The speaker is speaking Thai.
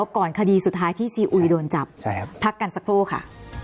ก่อนคดีสุดท้ายที่ซีอุยโดนจับพักกันสักครู่ค่ะ